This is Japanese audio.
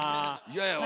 嫌やわ。